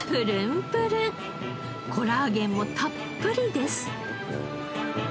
コラーゲンもたっぷりです。